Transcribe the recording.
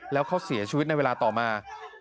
แล้วเขาเสียชีวิตในเวลาต่อมา